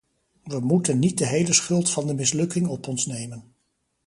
We moeten niet de hele schuld van de mislukking op ons nemen.